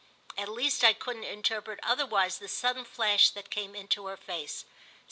At least I couldn't interpret otherwise the sudden flash that came into her face.